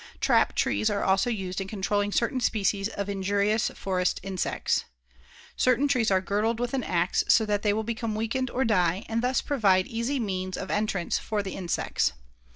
Trap trees are also used in controlling certain species of injurious forest insects. Certain trees are girdled with an ax so that they will become weakened or die, and thus provide easy means of entrance for the insects.